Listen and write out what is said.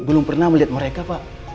belum pernah melihat mereka pak